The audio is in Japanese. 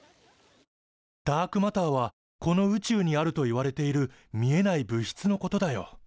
ダークマターはこの宇宙にあるといわれている見えない物質のことだよ。